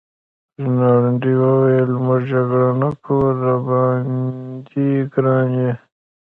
رینالډي وویل: موږ جګړه نه کوو، راباندي ګران يې.